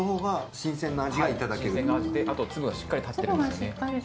新鮮な味であと粒がしっかり立ってるんですよね。